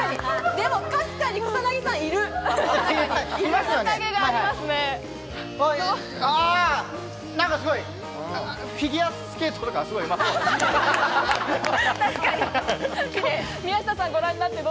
でも、かすかに草薙さんいる！